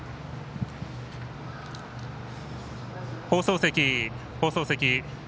放送席、放送席。